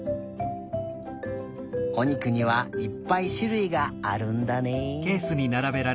おにくにはいっぱいしゅるいがあるんだね。